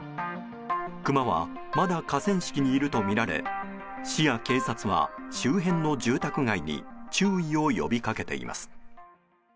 クマはまだ河川敷にいるとみられ市や警察は周辺の住宅街に注意を呼び掛けています。